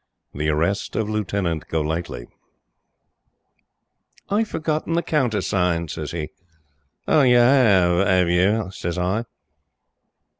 THE ARREST OF LIEUTENANT GOLIGHTLY. "'I've forgotten the countersign,' sez 'e. 'Oh! You 'aye, 'ave you?' sez I.